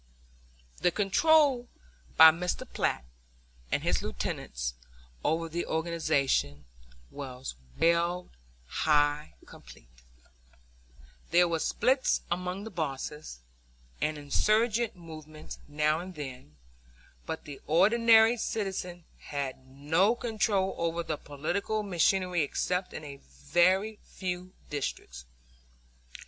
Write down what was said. The control by Mr. Platt and his lieutenants over the organization was well nigh complete. There were splits among the bosses, and insurgent movements now and then, but the ordinary citizens had no control over the political machinery except in a very few districts.